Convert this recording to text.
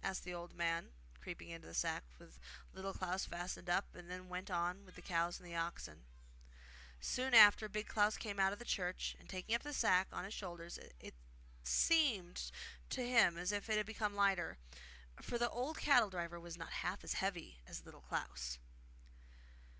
asked the old man, creeping into the sack, which Little Klaus fastened up and then went on with the cows and oxen. Soon after Big Klaus came out of the church, and taking up the sack on his shoulders it seemed to him as if it had become lighter; for the old cattle driver was not half as heavy as Little Klaus.